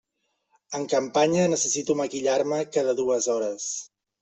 En campanya necessito maquillar-me cada dues hores.